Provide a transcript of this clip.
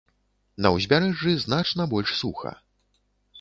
На ўзбярэжжы значна больш суха.